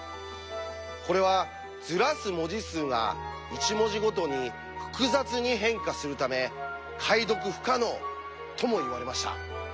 これはずらす文字数が１文字ごとに複雑に変化するため解読不可能ともいわれました。